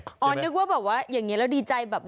อ๋อนึกว่าแบบว่าอย่างนี้เราดีใจแบบ